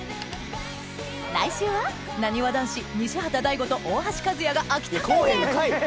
来週はなにわ男子西畑大吾と大橋和也が秋田県へ！